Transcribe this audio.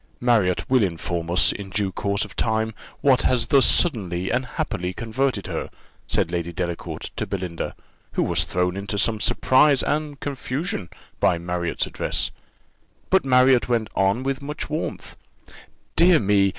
"Marriott will inform us, in due course of time, what has thus suddenly and happily converted her," said Lady Delacour to Belinda, who was thrown into some surprise and confusion by Marriott's address; but Marriott went on with much warmth Dear me!